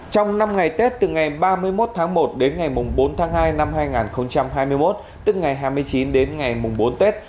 trong năm ngày tết từ ngày ba mươi một tháng một đến ngày bốn tháng hai năm hai nghìn hai mươi một tức ngày hai mươi chín đến ngày mùng bốn tết